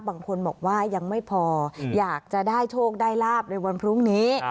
บางคนบอกว่ายังไม่พออยากจะได้โชคได้ลาบในวันพรุ่งนี้